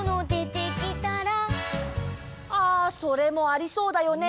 あそれもありそうだよね！